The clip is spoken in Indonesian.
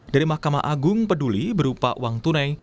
dari mahkamah agung peduli berupa wang tunei